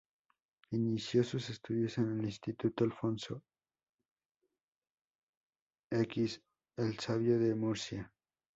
Inició sus estudios en el Instituto Alfonso X el Sabio de Murcia.